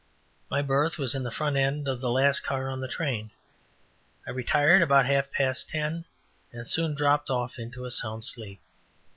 My berth was in the front end of the last car on the train. I retired about half past ten and soon dropped off into a sound sleep.